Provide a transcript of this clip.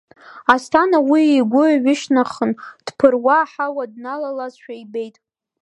Асҭана уи игәы ҩышьҭнахын, дԥыруа аҳауа дналалазшәа ибеит.